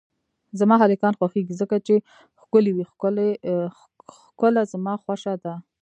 زما هلکان خوښیږی ځکه چی ښکلی وی ښکله زما خوشه ده